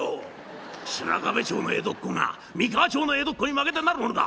「白壁町の江戸っ子が三河町の江戸っ子に負けてなるものか！